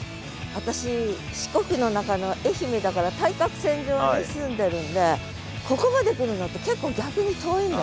私四国の中の愛媛だから対角線上に住んでるんでここまで来るのって結構逆に遠いんだよね。